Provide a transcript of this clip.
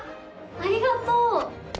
ありがとう！